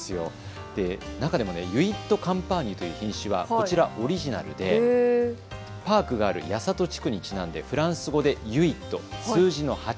中でもユイット・カンパーニュという品種はこちらオリジナルでパークがある八郷地区にちなんでフランス語でユイット、数字の八。